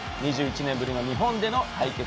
２１年ぶりの日本での対決